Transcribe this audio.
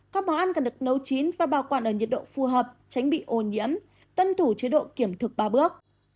các món ăn cần được nấu chín và bảo quản ở nhiệt độ phù hợp tránh bị ô nhiễm tuân thủ chế độ kiểm thực ba bước